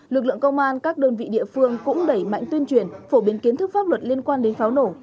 lực lượng công an các đơn vị địa phương cũng đẩy mạnh tuyên truyền phổ biến kiến thức pháp luật liên quan đến pháo nổ